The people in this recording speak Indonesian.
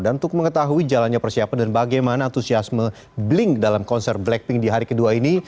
dan untuk mengetahui jalannya persiapan dan bagaimana antusiasme bling dalam konser blackpink di hari kedua ini